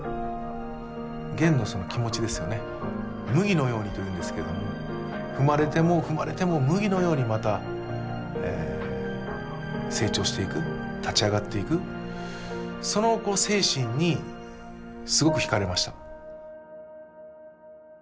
「麦のように」というんですけども踏まれても踏まれても麦のようにまた成長していく立ち上がっていくその精神にすごく引かれました。